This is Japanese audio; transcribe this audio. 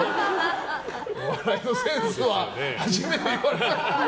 お笑いのセンスは初めて言われた。